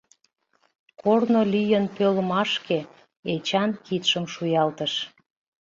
Корно лийын пӧлмашке Эчан кидшым шуялтыш.